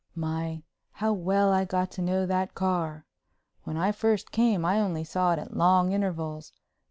My, how well I got to know that car! When I first came I only saw it at long intervals.